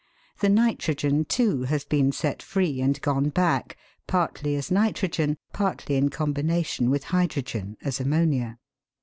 The nitrogen, too, has been set free and gone back, partly as nitrogen, partly in combination with hydrogen as ammonia.